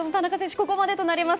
ここまでとなります。